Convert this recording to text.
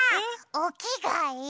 おきがえ